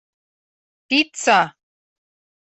Пидса!..